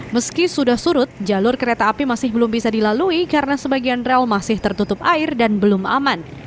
meski sudah surut jalur kereta api masih belum bisa dilalui karena sebagian rel masih tertutup air dan belum aman